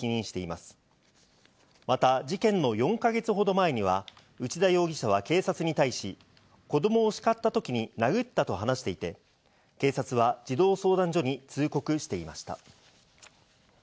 また事件の４か月ほど前には、内田容疑者は警察に対し、子供をしかった時に殴ったと話していて、警察は児童相談所に通告していました。